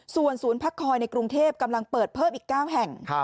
ส่วนภาคคอยในกรุงเทพฯกำลังเปิดเพิ่มอีก๙แห่ง